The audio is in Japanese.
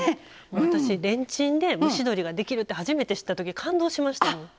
私、レンチンで蒸し鶏ができるって初めて知ったときに感動しました。